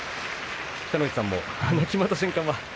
北の富士さんもきまった瞬間